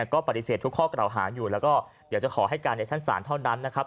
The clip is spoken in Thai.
ก็ปฏิเสธทุกข้อกล่าวหาอยู่แล้วก็เดี๋ยวจะขอให้การในชั้นศาลเท่านั้นนะครับ